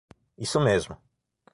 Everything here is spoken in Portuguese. Isso mesmo!